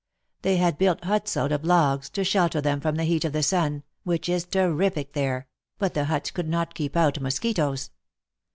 They had built huts out of logs, to shelter them from the heat of the sun, which is terrific there, but the huts could not keep out mosquitoes.